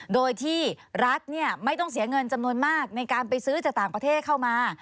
โดยที่รัฐไม่ต้องเสียเงินจำนวนมากในการไปซื้อจากต่างประเทศเข้ามา